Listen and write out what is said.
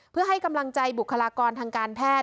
เพื่อให้กำลังใจบุคลากรทางการแพทย์